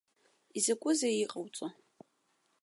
Изакәызеи иҟауҵо?!